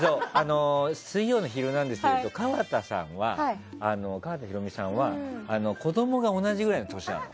水曜の「ヒルナンデス！」でいうと、川田裕美さんは子供が同じぐらいの年なの。